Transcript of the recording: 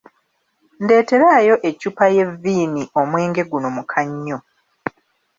Ndeeterayo eccupa y'evviini omwenge guno muka nnyo.